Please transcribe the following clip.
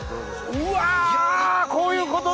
うわ！